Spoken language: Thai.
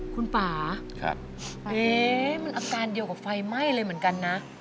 คุณป่ามันอาการเดียวกับไฟไหม้เลยเหมือนกันนะ